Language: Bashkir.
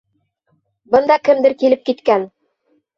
Бында кемдер килеп киткән!